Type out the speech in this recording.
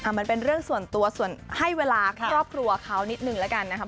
มันเป็นเรื่องส่วนตัวส่วนให้เวลาครอบครัวเขานิดนึงแล้วกันนะครับ